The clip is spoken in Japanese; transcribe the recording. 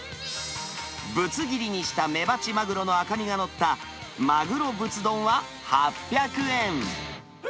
ぶつ切りにしたメバチマグロの赤身が載った、マグロブツ丼は８００円。